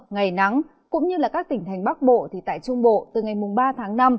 ngày nắng cũng như các tỉnh thành bắc bộ tại trung bộ từ ngày mùng ba tháng năm